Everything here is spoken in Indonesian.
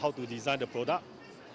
satu lainnya adalah startup